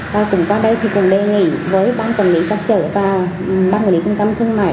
và chúng ta đây thì cũng đề nghị với bang quản lý các chợ và bang quản lý cung tâm thương mại